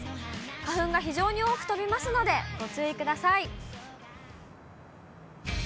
花粉が非常に多く飛びますので、ご注意ください。